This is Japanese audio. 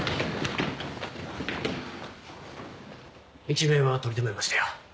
一命は取り留めましたよ。